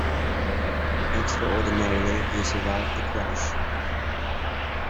Extraordinarily he survived the crash.